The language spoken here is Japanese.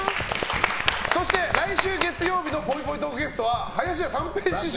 そして、来週月曜日のぽいぽいトークゲストは林家三平師匠。